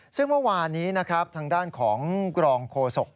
ซึ่งเมื่อวานนี้นะครับทางด้านของกรองโฆษก